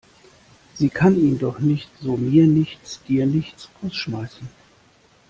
Sie kann ihn doch nicht so mir nichts, dir nichts rausschmeißen!